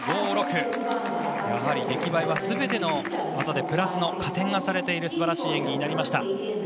やはり出来栄えはすべての技でプラスの加点がされているすばらしい演技になりました。